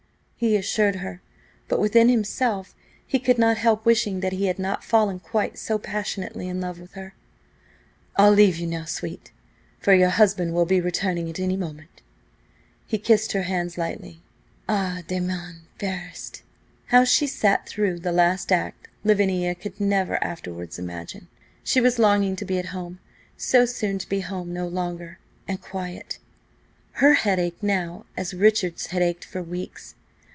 he assured her, but within himself he could not help wishing that he had not fallen quite so passionately in love with her. "I'll leave you now, sweet, for your husband will be returning at any moment." He kissed her hands lightly "A demain, fairest!" How she sat through the last act Lavinia could never afterwards imagine. She was longing to be at home–so soon to be home no longer–and quiet. Her head ached now as Richard's had ached for weeks.